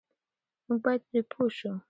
موږ بايد پرې پوه شو.